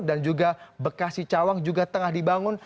dan juga bekasi cawang juga tengah dibangun